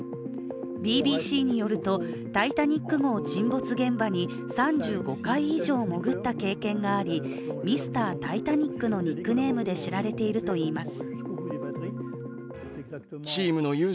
ＢＢＣによると「タイタニック」号沈没現場に３５回以上潜った経験がありミスター・タイタニックのニックネームで知られているといいます。